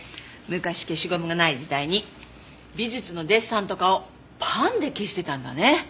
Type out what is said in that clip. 昔消しゴムがない時代に美術のデッサンとかをパンで消してたんだね。